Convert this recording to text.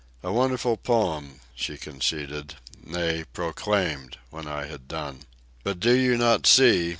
"A wonderful poem," she conceded—nay, proclaimed—when I had done. "But do you not see